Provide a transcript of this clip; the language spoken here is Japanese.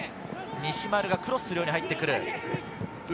西丸がクロスするように入ってくる。